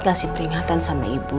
kasih peringatan sama ibu